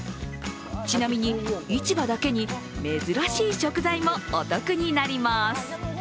ちなみに、市場だけに珍しい食材もお得になります。